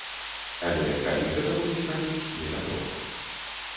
Але калі гэта будуць рабіць, невядома.